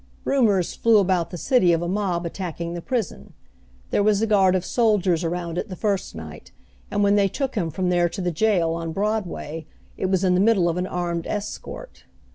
Rumors flew about the city of a mob attacking the prison. There was a guard of soldiers around it the first night, and when they took him from there to the jail on Broadway, it was in the middle of an armed escort.